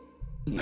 何？